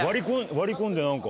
割り込んで何か。